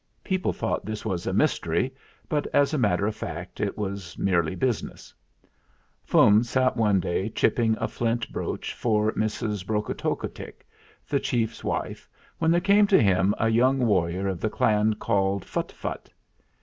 People thought this was mystery; but as a matter of fact it was merely business. Fum sat one day chipping a flint brooch for Mrs. Brokotockotick, the chief's wife, when there came to him a young warrior of the clan called Phuttphutt.